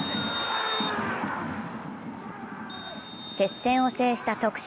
接戦を制した徳島。